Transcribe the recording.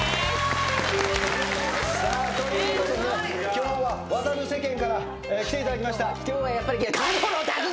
さあということでね今日は『渡る世間』から来ていただきました。